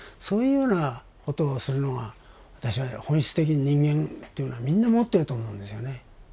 そういうようなことをするのが私は本質的に人間というのはみんな持ってると思うんですよね。